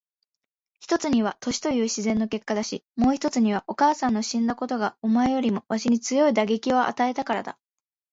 一つには年という自然の結果だし、もう一つにはお母さんの死んだことがお前よりもわしに強い打撃を与えたからだ。